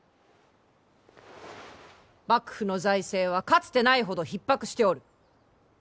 幕府の財政はかつてないほどひっ迫しておる。